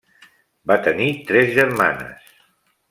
Va tenir tres germanes: